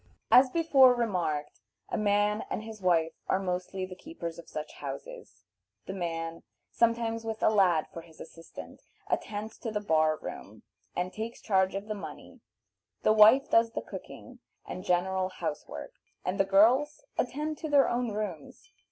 As before remarked, a man and his wife are mostly the keepers of such houses. The man, sometimes with a lad for his assistant, attends to the bar room, and takes charge of the money, the wife does the cooking and general house work, and the girls attend to their own rooms.